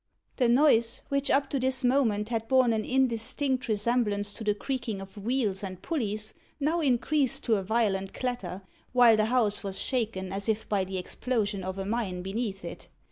The noise, which up to this moment had borne an indistinct resemblance to the creaking of wheels and pulleys, now increased to a violent clatter, while the house was shaken as if by the explosion of a mine beneath it.